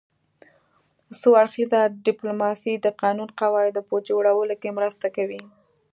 څو اړخیزه ډیپلوماسي د قانوني قواعدو په جوړولو کې مرسته کوي